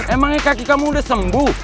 emangnya kaki kamu udah sembuh